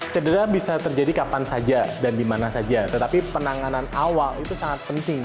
cedera bisa terjadi kapan saja dan dimana saja tetapi penanganan awal itu sangat penting